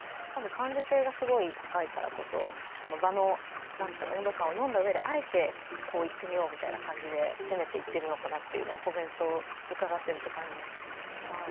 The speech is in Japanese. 感受性がすごい高いからこそ場の温度感を読んだうえであえてこういってみようみたいな感じで攻めていっているのかなとコメントを伺っていると感じます。